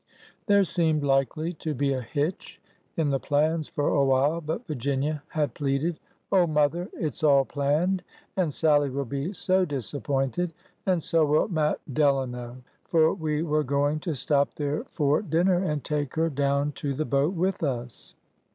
There seemed likely to be a hitch in the plans for a while, but Virginia had pleaded :'' Oh, mother ! it 's all planned ! and Sallie will be so disappointed ! and so will Matt Delano, for we were going to stop there for dinner, and take her down to the boat with us.